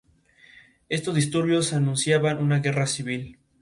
Estos disturbios anunciaban una guerra civil.